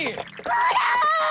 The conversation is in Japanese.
ほら！